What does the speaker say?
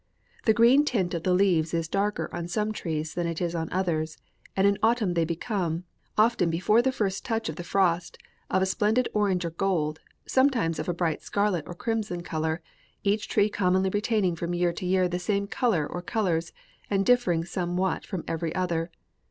The green tint of the leaves is darker on some trees than it is on others, and in autumn they become, often before the first touch of the frost, of a splendid orange or gold, sometimes of a bright scarlet or crimson, color, each tree commonly retaining from year to year the same color or colors, and differing somewhat from every other.